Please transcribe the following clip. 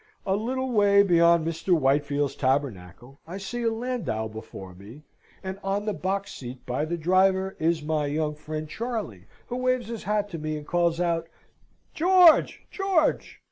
a little way beyond Mr. Whitefield's Tabernacle, I see a landau before me, and on the box seat by the driver is my young friend Charley, who waves his hat to me and calls out, "George! George!"